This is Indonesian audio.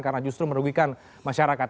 karena justru merugikan masyarakat